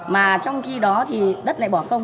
mà trong khi đó thì đất này bỏ không